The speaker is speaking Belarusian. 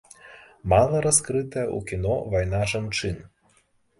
Мала раскрытая ў кіно вайна жанчын.